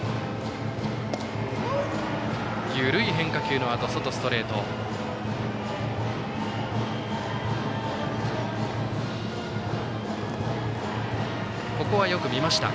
緩い変化球のあと外ストレートでした。